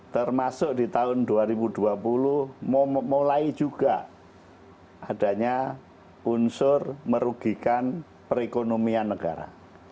termasuk di tahun dua ribu dua puluh mulai juga adanya unsur merugikan perekonomian negara